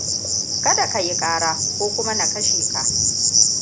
Kada ka yi kara, ko kuma na kashe ka.